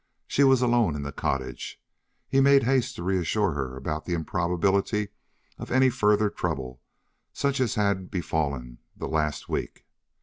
She was alone in the cottage. He made haste to reassure her about the improbability of any further trouble such as had befallen the last week.